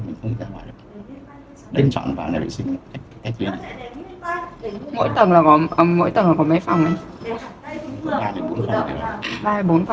đúng rồi nó có bàn công bởi vì nó không phải là kính